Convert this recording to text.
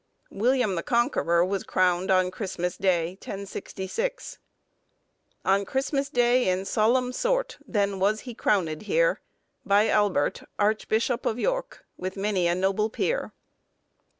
William the Conqueror, was crowned on Christmas day, 1066. "On Christmas day in solemne sort, Then was he crowned here, By Albert, Archbishop of Yorke, With many a noble peere."